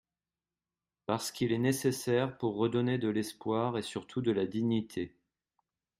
parce qu’il est nécessaire pour redonner de l’espoir et surtout de la dignité.